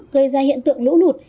gây ra hiện tượng lũ lụt